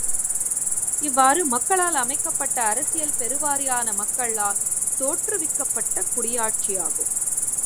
இவ்வாறு மக்களால் அமைக்கப்பட்ட அரசியல் பெருவாரியான மக்களால் தோற்றுவிக்கப்பட்ட குடியாட்சியாகும்.